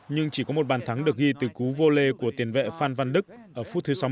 nhưng chỉ có một bàn thắng được ghi từ cú vô lê của tiền vệ phan van đức ở phút thứ sáu mươi một